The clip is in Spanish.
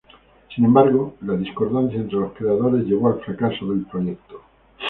Sin embargo, la discordancia entre los creadores llevó al fracaso del proyecto.